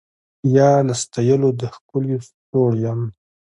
یا له ستایلو د ښکلیو سوړ یم